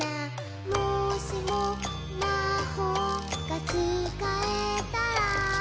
「もしもまほうがつかえたら」